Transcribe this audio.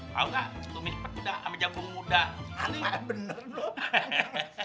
tahu nggak tumis pedas sama jambung muda bener bener